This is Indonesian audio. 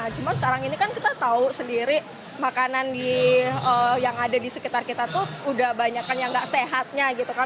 cuma sekarang ini kan kita tahu sendiri makanan yang ada di sekitar kita tuh udah banyak kan yang gak sehatnya gitu kan